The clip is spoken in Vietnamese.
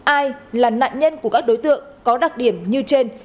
ai là nạn nhân của các đối tượng có đặc điểm như trên